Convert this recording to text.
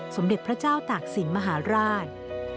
สมเด็จพระเจ้าตากศิลปมหาราช